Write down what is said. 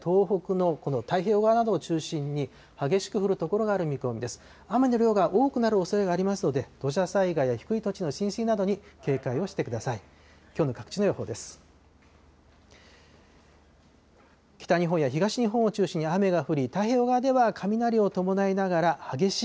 雨の量が多くなるおそれがありますので、土砂災害や低い土地の浸水などに警戒をしてください。